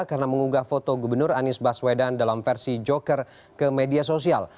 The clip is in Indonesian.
karena mengunggah foto gubernur anies baswedan dalam versi joker ke media sosial